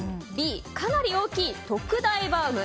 Ｂ、かなり大きい特大バウム。